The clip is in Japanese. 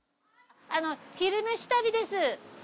あの「昼めし旅」です。